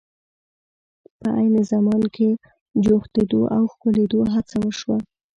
په عین زمان کې جوختېدو او ښکلېدو هڅه وشوه.